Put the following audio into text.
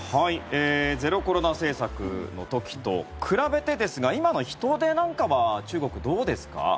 ゼロコロナ政策の時と比べてですが今の人出なんかは中国、どうですか？